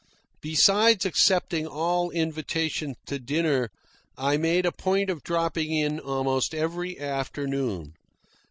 Besides accepting all invitations to dinner, I made a point of dropping in almost every afternoon.